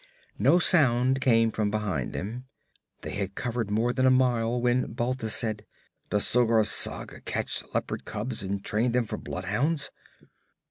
No sound came from behind them. They had covered more than a mile when Balthus said: 'Does Zogar Sag catch leopard cubs and train them for bloodhounds?'